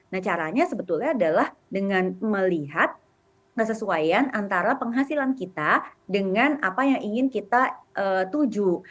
nah caranya sebetulnya adalah dengan melihat kesesuaian antara penghasilan kita dengan apa yang ingin kita tuju